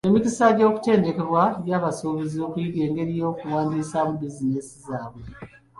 Emiskisa gy'okutendekebwa gya basuubuzi okuyiga engeri y'okuwandisaamu bizinesi zaabwe.